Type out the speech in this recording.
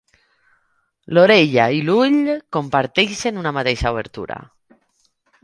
L'orella i l'ull comparteixen una mateixa obertura.